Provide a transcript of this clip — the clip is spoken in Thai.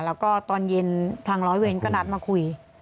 แล้วก็ตอนเย็นทางร้อยเวรก็นัดมาคุย